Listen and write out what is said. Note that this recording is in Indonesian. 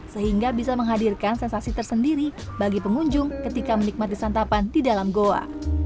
sehingga bisa menghadirkan sensasi tersendiri bagi pengunjung ketika menikmati santapan di dalam goa